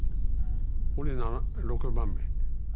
俺が６番目。